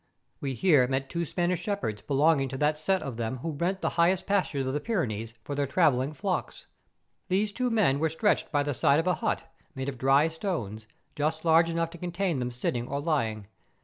We here met two Spanish shepherds belonging to that set of them who rent the highest pastures of the Pyrenees for their travelling flocks. These two men were 132 MOUNTAIN ADVENTURES. stretched by the side of a hut, made of dry stones, just large enough to contain them sitting or lying.